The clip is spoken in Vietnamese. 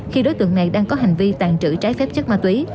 khi đối tượng này đang có hành vi tàn trữ trái phép chất ma túy